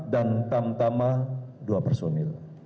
dan tamtama dua personil